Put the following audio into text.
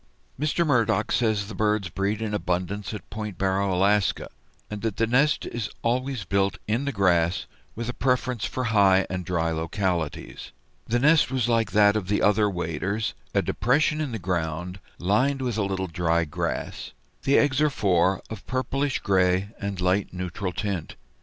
Mr. Murdock says the birds breed in abundance at Point Barrow, Alaska, and that the nest is always built in the grass, with a preference for high and dry localities. The nest was like that of the other waders, a depression in the ground, lined with a little dry grass. The eggs are four, of pale purplish gray and light neutral tint.